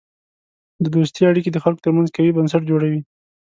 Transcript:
د دوستی اړیکې د خلکو ترمنځ قوی بنسټ جوړوي.